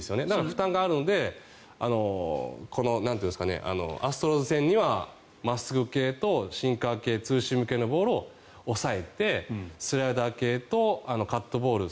負担があるのでアストロズ戦には真っすぐ系とシンカー系ツーシーム系のボールを抑えてスライダー系とカットボール